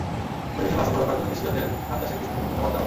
পরিবেশের ভারসাম্য রক্ষার জন্য দেশি জাতের ধান চাষের পৃষ্ঠপোষকতা করতে হবে।